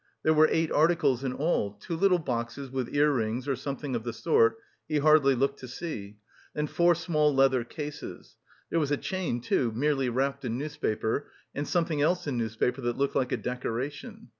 There were eight articles in all: two little boxes with ear rings or something of the sort, he hardly looked to see; then four small leather cases. There was a chain, too, merely wrapped in newspaper and something else in newspaper, that looked like a decoration....